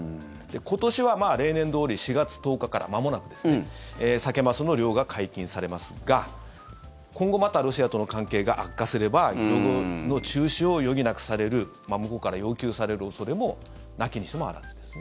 今年は例年どおり４月１０日からまもなくですねサケ・マスの漁が解禁されますが今後またロシアとの関係が悪化すれば漁業の中止を余儀なくされる向こうから要求される恐れもなきにしもあらずですね。